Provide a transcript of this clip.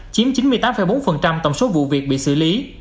chiếm chín mươi tám bốn tổng số vụ việc bị xử lý